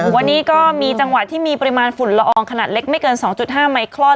วันนี้ก็มีจังหวะที่มีปริมาณฝุ่นละอองขนาดเล็กไม่เกิน๒๕ไมครอน